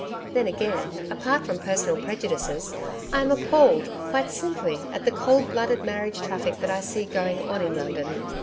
Then again, apart from personal prejudices, I am appalled, quite simply, at the cold blooded marriage traffic that I see going on in London.